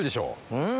うん！